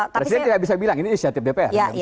presiden tidak bisa bilang ini inisiatif dpr